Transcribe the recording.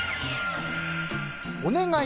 お願い！